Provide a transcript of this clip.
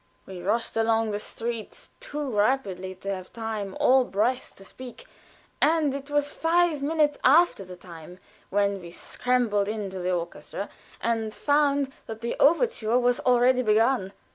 We rushed along the streets too rapidly to have time or breath to speak, and it was five minutes after the time when we scrambled into the orchestra, and found that the overture was already begun.